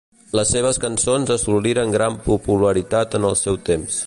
Les seves cançons assoliren gran popularitat en el seu temps.